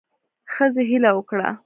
ښځې هیله وکړه